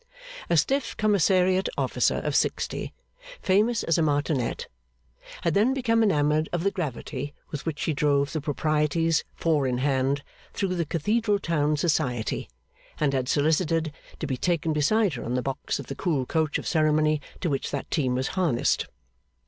A stiff commissariat officer of sixty, famous as a martinet, had then become enamoured of the gravity with which she drove the proprieties four in hand through the cathedral town society, and had solicited to be taken beside her on the box of the cool coach of ceremony to which that team was harnessed.